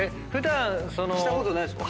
したことないですか？